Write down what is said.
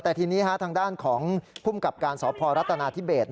แต่ทีนี้ทางด้านของภูมิกับการสพรัฐนาธิเบส